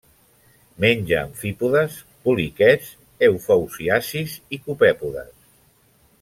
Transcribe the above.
Menja amfípodes, poliquets, eufausiacis i copèpodes.